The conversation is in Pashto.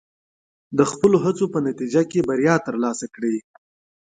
د خپلو هڅو په نتیجه کې بریا ترلاسه کړئ.